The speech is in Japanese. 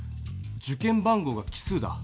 受験番号が奇数だ。